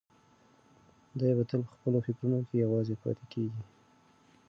دی به تل په خپلو فکرونو کې یوازې پاتې کېږي.